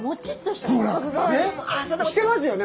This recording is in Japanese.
してますよね